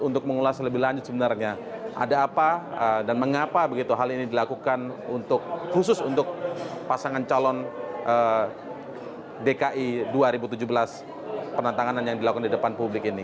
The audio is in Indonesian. untuk mengulas lebih lanjut sebenarnya ada apa dan mengapa begitu hal ini dilakukan khusus untuk pasangan calon dki dua ribu tujuh belas penantangan yang dilakukan di depan publik ini